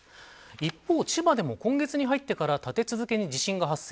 一方、千葉でも今月に入ってから立て続けに地震が発生。